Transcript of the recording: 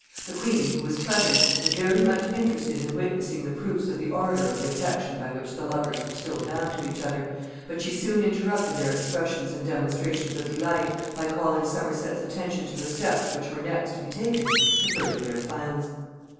The queen, who was present, was very much interested in witnessing the proofs of the ardor of the affection by which the lovers were still bound to each other, but she soon interrupted their expressions and demonstrations of delight by calling Somerset's attention to the steps which were next to be taken to further their plans.